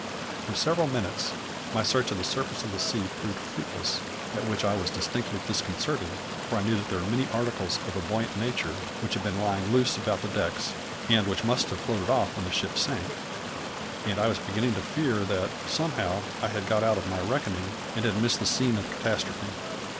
For several minutes my search of the surface of the sea proved fruitless, at which I was distinctly disconcerted, for I knew that there were many articles of a buoyant nature which had been lying loose about the decks, and which must have floated off when the ship sank; and I was beginning to fear that somehow I had got out of my reckoning and had missed the scene of the catastrophe.